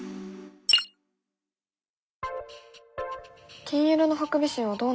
金色のハクビシンはどうなんだろう？